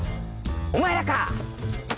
お前らか！